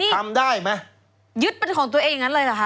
ทำได้ไหมยึดเป็นของตัวเองอย่างนั้นเลยเหรอคะ